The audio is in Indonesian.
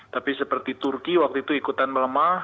tapi seperti turki waktu itu ikutan melemah